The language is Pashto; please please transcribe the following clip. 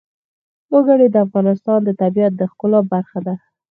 وګړي د افغانستان د طبیعت د ښکلا برخه ده.